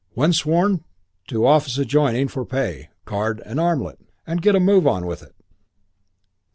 When sworn, to office adjoining for pay, card and armlet. And get a move on with it!"